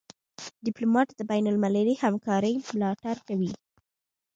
ډيپلومات د بینالمللي همکارۍ ملاتړ کوي.